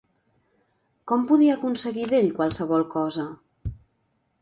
Com podia aconseguir d'ell qualsevol cosa?